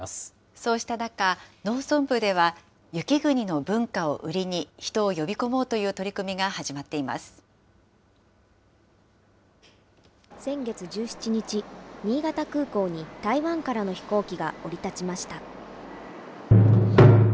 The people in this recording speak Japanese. そうした中、農村部では、雪国の文化を売りに人を呼び込もうという取り組みが始まっていま先月１７日、新潟空港に台湾からの飛行機が降り立ちました。